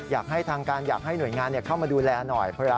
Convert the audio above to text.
อยากให้ทางการอยากให้หน่วยงานเข้ามาดูแลหน่อย